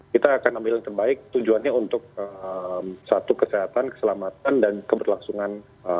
kita akan ambil yang terbaik tujuannya untuk satu kesehatan keselamatan dan keberlangsungan